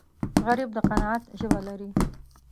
غریب د قناعت ژبه لري